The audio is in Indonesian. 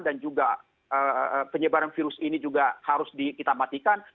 dan juga penyebaran virus ini juga harus di kita matikan